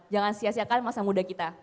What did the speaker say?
jangan sia siakan masa muda kita